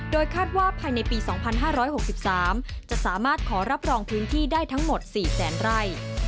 โดยคาดว่าภายในปีสองพันห้าร้อยหกสิบสามจะสามารถขอรับรองพื้นที่ได้ทั้งหมดสี่แสนไร่